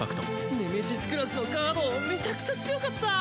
ネメシスクラスのカードメチャクチャ強かったぁ。